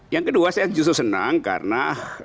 yang kedua saya justru senang karena